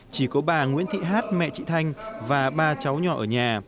chỉ có bà nguyễn thị hát mẹ chị thanh và ba cháu nhỏ ở nhà